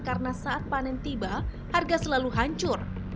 karena saat panen tiba harga selalu hancur